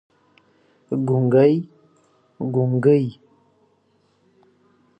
ګونګي، ګونګي